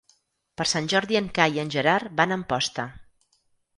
Per Sant Jordi en Cai i en Gerard van a Amposta.